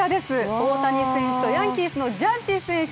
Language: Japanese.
大谷選手と、ヤンキースのジャッジ選手。